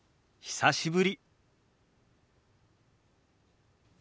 久しぶり。